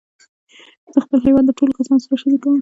زه خپل هېواد د ټولو کسانو سره شریکوم.